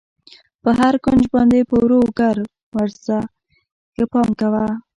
پر هر کونج باندې په ورو ګر وځه، ښه پام کوه.